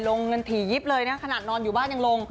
ลงเงินถี่ยิบเลยนะขนาดนอนอยู่บ้านยังลง